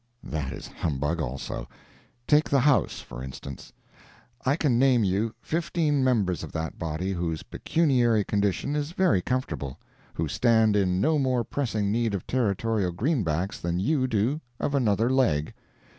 That is humbug, also. Take the House, for instance. I can name you fifteen members of that body whose pecuniary condition is very comfortable—who stand in no more pressing need of Territorial greenbacks than you do of another leg.